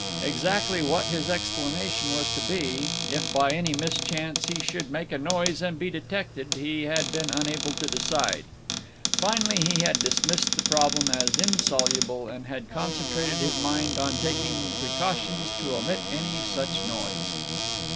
Exactly what his explanation was to be, if by any mischance he should make a noise and be detected, he had been unable to decide. Finally he had dismissed the problem as insoluble, and had concentrated his mind on taking precautions to omit any such noise.